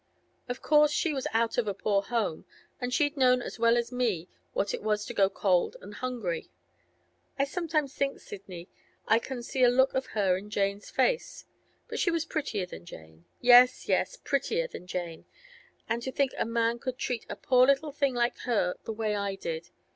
Of course she was out of a poor home, and she'd known as well as me what it was to go cold and hungry. I sometimes think, Sidney, I can see a look of her in Jane's face—but she was prettier than Jane; yes, yes, prettier than Jane. And to think a man could treat a poor little thing like her the way I did!